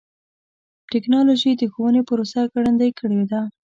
ټکنالوجي د ښوونې پروسه ګړندۍ کړې ده.